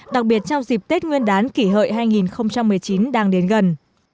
đặc biệt trong dịp tết nguyên đán kỷ hợi hai nghìn một mươi chín đang đến gần